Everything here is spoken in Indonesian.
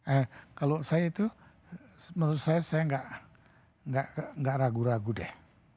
eh kalau saya itu menurut saya saya nggak ragu ragu deh